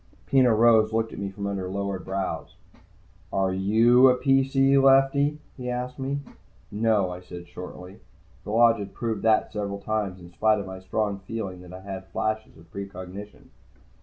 Peno Rose looked at me from under lowered brows. "Are you a PC, Lefty?" he asked me. "No," I said shortly. The Lodge had proved that several times, in spite of my strong feelings that I had flashes of precognition.